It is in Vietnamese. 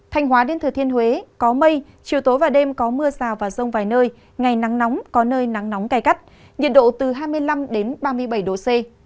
thanh hóa đến thừa thiên huế có mây chiều tối và đêm có mưa rào và rông vài nơi ngày nắng nóng có nơi nắng nóng cày cắt nhiệt độ từ hai mươi năm ba mươi bảy độ c